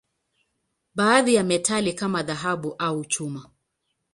Baadhi ni metali, kama dhahabu au chuma.